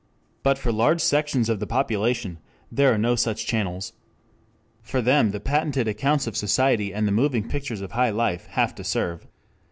But for large sections of the population there are no such channels. For them the patented accounts of society and the moving pictures of high life have to serve.